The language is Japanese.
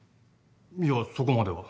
いやそこまでは。